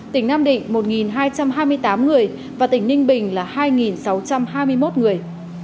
tỉnh nam định một hai trăm hai mươi tám người và tỉnh ninh bình là hai sáu trăm hai mươi một người